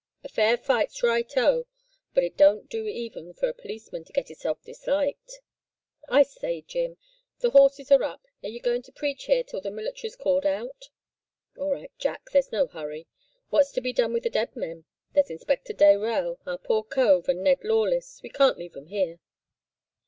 A fair fight's righto, but it don't do even for a policeman to get hisself disliked.' "'I say, Jim, the horses are up; are yer goin' to preach here till the military's called out?' "'All right, Jack, there's no hurry. What's to be done with the dead men? There's Inspector Dayrell, our poor cove, and Ned Lawless. We can't leave 'em here.